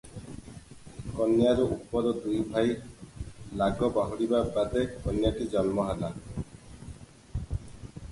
କନ୍ୟାର ଉପର ଦୁଇ ଭାଇ ଲାଗ ଲାଗ ବାହୁଡ଼ିବା ବାଦେ କନ୍ୟାଟି ଜନ୍ମ ହେଲା ।